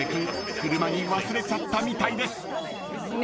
車に忘れちゃったみたいです］